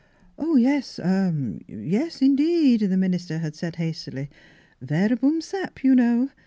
" Yes — yes, indeed," the minister had said hastily, " Verhum sap., you know